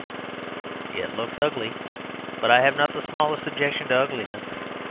It looks ugly: but I have not the smallest objection to ugliness.